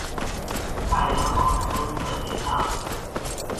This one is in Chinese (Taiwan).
太陽好像都特別大